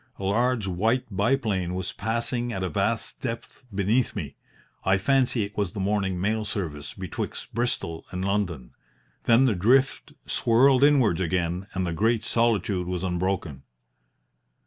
A large white biplane was passing at a vast depth beneath me. I fancy it was the morning mail service betwixt Bristol and London. Then the drift swirled inwards again and the great solitude was unbroken.